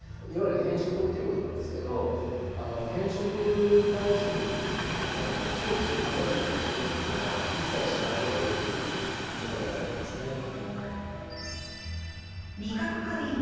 いわゆる偏食っていうことなんですけど偏食に対する何て言うかな強く促すような指導っていうのは一切しない方がいいっていうことになってますね。